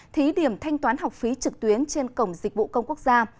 thí điểm thanh toán học phí trực tuyến trên cổng dịch vụ công quốc gia